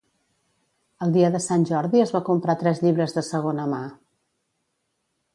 El dia de Sant Jordi es va comprar tres llibres de segona mà.